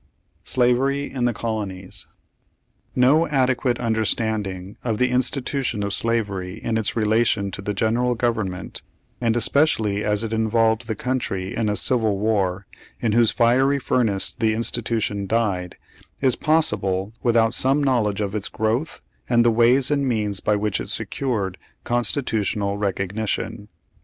SLAVERY m THE COLONIES No adequate understanding of the institution of slavery in its relation to the general government, and especially as it involved the country in a civil war, in whose fiery furnace the institution died, is possible without some knowledge of its groAvth, and the ways and means by which it secured con stitutional recognition.